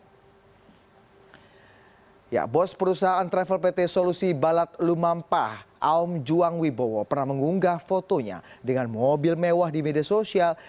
bos perusahaan travel pt solusi balat lumampah aom juang wibowo pernah mengunggah fotonya dengan mobil mewah di media sosial